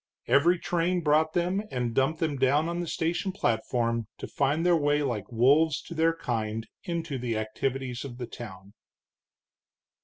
Every train brought them, and dumped them down on the station platform to find their way like wolves to their kind into the activities of the town.